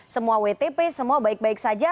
semua wtp semua baik baik saja